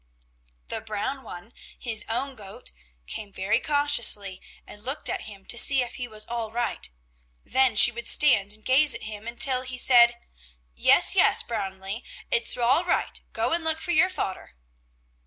The brown one, his own goat, came very cautiously and looked at him to see if he was all right, then she would stand and gaze at him until he said: "Yes, yes, Braunli, it's all right, go and look for your fodder."